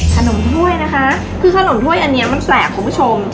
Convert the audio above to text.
ถ้วยนะคะคือขนมถ้วยอันนี้มันแปลกคุณผู้ชม